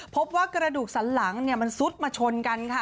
พบว่ากระดูกสันหลังมันซุดมาชนกันค่ะ